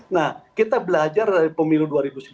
nah kita belajar dari pemilu dua ribu sembilan belas